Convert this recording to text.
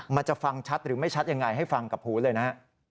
มันจะฟังชัดหรือไม่ชัดยังไงให้ฟังกับหูเลยนะฮะ